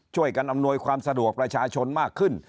อำนวยความสะดวกประชาชนมากขึ้น